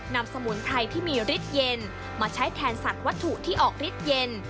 สมุนไพรที่มีฤทธิเย็นมาใช้แทนสัตว์วัตถุที่ออกฤทธิเย็น